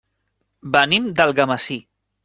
Venim d'Algemesí.